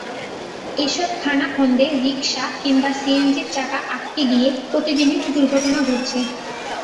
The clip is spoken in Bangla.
এসব খানাখন্দে রিকশা কিংবা সিএনজির চাকা আটকে গিয়ে প্রতিদিনই দুর্ঘটনা ঘটছে।